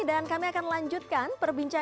dan kami akan lanjutkan pembahasan